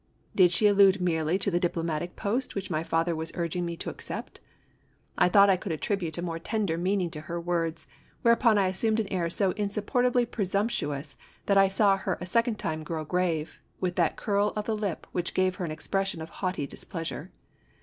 Did she allude merely to the diplomatic post which my father was urging me to accept ? I thought I could at IN THE YOLUBILIS BOWER. 57 tribute a more tender meaning to her words, whereupon I assumed an air so insupportably presumptuous that I saw her a second time grow grave, with that curl of the lips which gave her an expression of haughty dis pleasure.